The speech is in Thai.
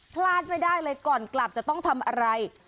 พลาดไม่ได้เลยก่อนกลับจะต้องทำอะไร